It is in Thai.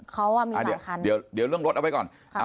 เขามีคันเดี๋ยวเรื่องรถเอาไว้ก่อน